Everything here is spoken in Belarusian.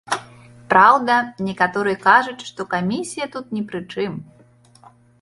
Праўда, некаторыя кажуць, што камісія тут не пры чым.